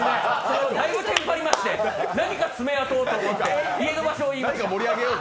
だいぶテンパりまして何か爪痕をと思いまして家の場所を言いました。